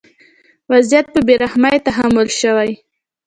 وضعیت په بې رحمۍ تحمیل شوی.